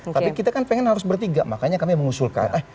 tapi kita kan pengen harus bertiga makanya kami mengusulkan